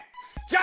あ！